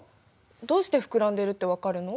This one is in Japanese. どうして膨らんでいるって分かるの？